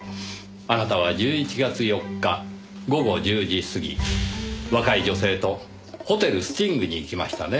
あなたは１１月４日午後１０時過ぎ若い女性とホテルスティングに行きましたね？